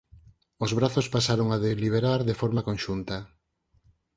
Os brazos pasaron a deliberar de forma conxunta.